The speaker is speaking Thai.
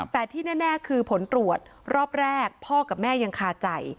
แต่ที่แน่คือผลตรวจรอบแรกพ่อกับแม่ยังคาใจ